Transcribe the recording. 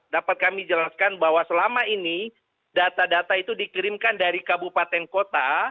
dapat kami jelaskan bahwa selama ini data data itu dikirimkan dari kabupaten kota